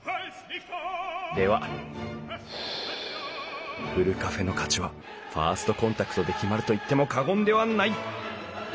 ではふるカフェの価値はファーストコンタクトで決まると言っても過言ではない。